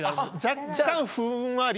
若干ふんわり。